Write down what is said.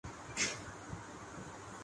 یہ فوج بہت سے محاذوںپر لڑ رہی ہے۔